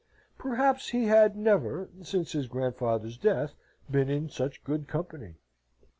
Perhaps he had never, since his grandfather's death, been in such good company.